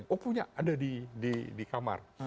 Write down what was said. oh punya ada di kamar